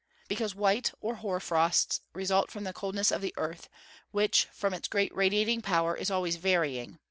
_ Because white, or hoar frosts, result from the coldness of the earth, which, from its great radiating power, is always varying.